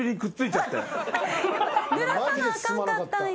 ぬらさなあかんかったんや。